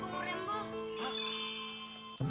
ini buat om